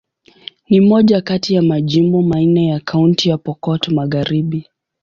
Ni moja kati ya majimbo manne ya Kaunti ya Pokot Magharibi.